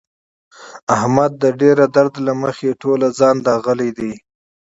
احمد د ډېر درد له مخې ټول ځان داغلی دی.